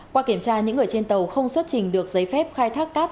qua kiểm tra những người trên tàu không xuất trình được giấy phép khai thác cát